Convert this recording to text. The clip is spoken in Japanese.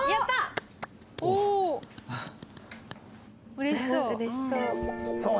うれしそう。